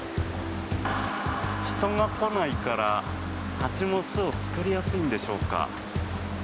人が来ないから蜂の巣を作りやすいのでしょうか。